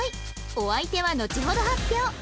お相手はのちほど発表